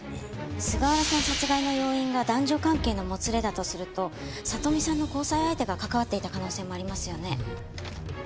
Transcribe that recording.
菅原さん殺害の要因が男女関係のもつれだとすると里美さんの交際相手が関わっていた可能性もありますよね。